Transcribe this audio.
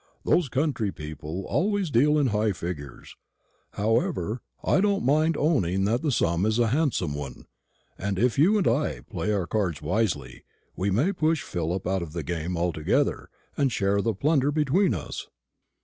"Those country people always deal in high figures. However, I don't mind owning that the sum is a handsome one, and if you and I play our cards wisely, we may push Philip out of the game altogether, and share the plunder between us."